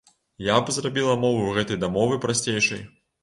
Я б зрабіла мову гэтай дамовы прасцейшай.